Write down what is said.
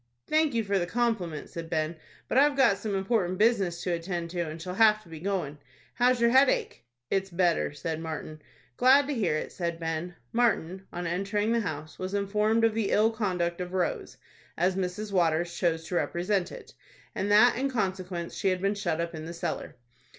"Thank you for the compliment," said Ben; "but I've got some important business to attend to, and shall have to be goin'. How's your headache?" "It's better," said Martin. "Glad to hear it," said Ben. Martin, on entering the house, was informed of the ill conduct of Rose, as Mrs. Waters chose to represent it, and that in consequence she had been shut up in the cellar.